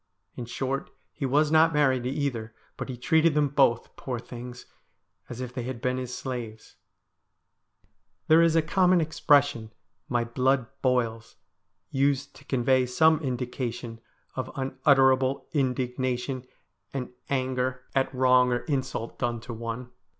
In short, he was not married to either, but he treated them both, poor things, as if they had been his slaves.' There is a common expression— ' my blood boils '— used to convey some indication of unutterable indignation and anger THE STORY OF A HANGED MA A 285 at wrong or insult done to one.